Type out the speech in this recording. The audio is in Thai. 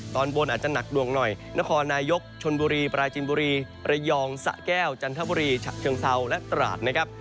ตอนบนอาจจะหนักหน่วงหน่อยนครนายกชนบุรีปราจินบุรีระยองสะแก้วจันทบุรีฉะเชิงเซาและตราดนะครับ